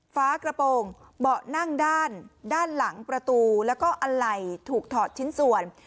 ฝากระโปรงเบาะนั่งด้านด้านหลังประตูแล้วก็อะไหล่ถูกถอดชิ้นส่วน